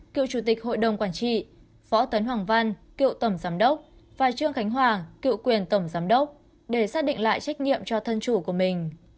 cựu chủ tịch hội đồng quản trị võ tấn hoàng văn cựu tổng giám đốc và trương khánh hòa cựu quyền tổng giám đốc để xác định lại trách nhiệm cho thân chủ của mình